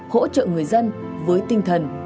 hỗ trợ người dân với tinh thần